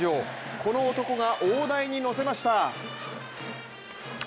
この男が大台に乗せました。